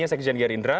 yang sekjen gerindra